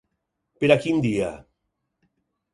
Per a quin dia?